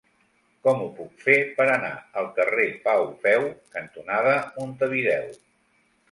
Com ho puc fer per anar al carrer Pau Feu cantonada Montevideo?